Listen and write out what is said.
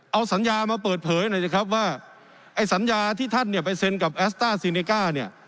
เอาสัญญามาเปิดเผยหน่อยสิครับว่าไอ้สัญญาที่ท่านเนี่ยไปเซ็นกับแอสต้าซีเนก้าเนี่ย